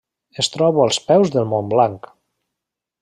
Es troba als peus del Mont Blanc.